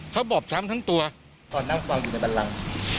เขาบอบช้ำทั้งตัวตอนนั้นวางอยู่ในบันลัง